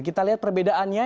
kita lihat perbedaannya